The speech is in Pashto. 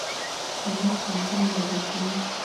امنیت پانګونه راجذبوي